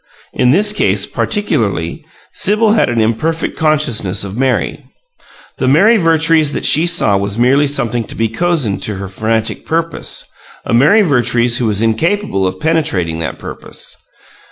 In this case, particularly, Sibyl had an imperfect consciousness of Mary. The Mary Vertrees that she saw was merely something to be cozened to her own frantic purpose a Mary Vertrees who was incapable of penetrating that purpose.